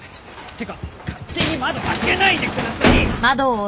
てか勝手に窓開けないでください！